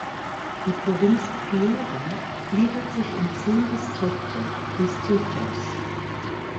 Die Provinz Piura gliedert sich in zehn Distrikte "(Distritos)".